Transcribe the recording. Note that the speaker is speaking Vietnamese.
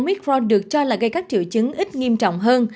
mitron được cho là gây các triệu chứng ít nghiêm trọng hơn